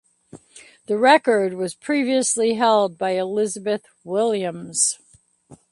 The record was previously held by Elizabeth Williams.